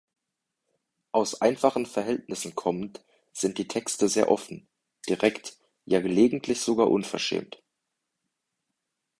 Aus einfachen Verhältnissen kommend sind die Texte sehr offen, direkt, ja gelegentlich sogar unverschämt.